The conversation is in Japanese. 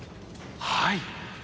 はい。